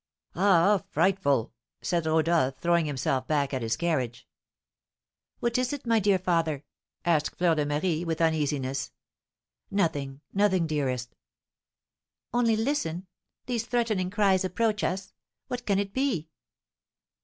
"Ah, frightful!" said Rodolph, throwing himself back in his carriage. "What is it, my dear father?" asked Fleur de Marie with uneasiness. "Nothing nothing, dearest." "Only listen, these threatening cries approach us! What can it be?"